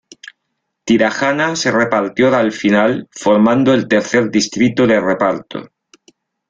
Tirajana se repartió al final, formando el tercer distrito de reparto.